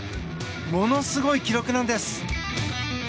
ものすごい記録なんです。